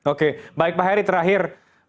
oke baik pak heri terakhir